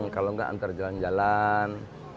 kalau nggak antar jalan jalan